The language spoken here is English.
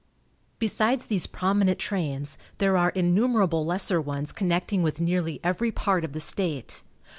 Besides these prominent trains, there are innumerable lesser ones connecting with nearly every part of the state.